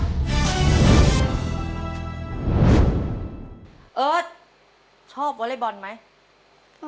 เชิญน้องเอิร์ดมาต่อชีวิตเป็นคนต่อไปครับ